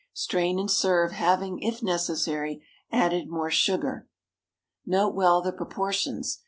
Strain and serve, having, if necessary, added more sugar. Note well the proportions.